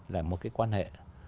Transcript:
là một cái quan hệ